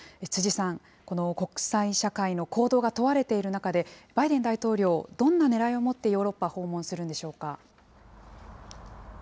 辻さん、この国際社会の行動が問われている中で、バイデン大統領、どんなねらいを持って、ヨーロッパを訪問するんでしょうか。